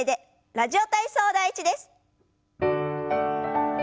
「ラジオ体操第１」です。